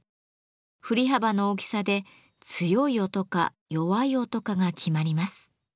振り幅の大きさで強い音か弱い音かが決まります。